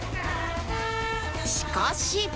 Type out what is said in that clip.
しかし